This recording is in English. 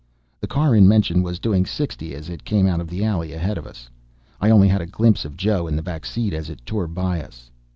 The car in mention was doing sixty as it came out of the alley ahead of us. I only had a glimpse of Joe in the back seat as it tore by us.